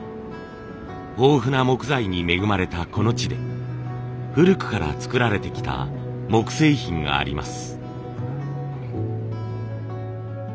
豊富な木材に恵まれたこの地で古くから作られてきた木製品があります。